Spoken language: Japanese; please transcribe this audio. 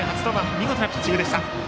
見事なピッチングでした。